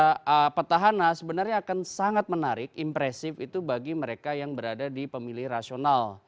karena petahana sebenarnya akan sangat menarik impresif itu bagi mereka yang berada di pemilih rasional